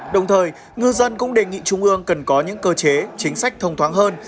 đồng thời ngư dân cũng đề nghị trung ương cần có những cơ chế chính sách thông thoáng hơn